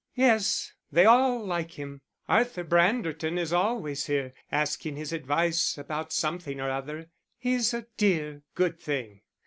"Yes, they all like him. Arthur Branderton is always here, asking his advice about something or other. He's a dear, good thing."